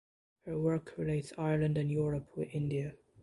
Her work relates Ireland and Europe with India.